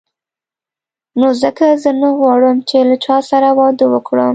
نو ځکه زه نه غواړم چې له چا سره واده وکړم.